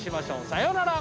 さようなら。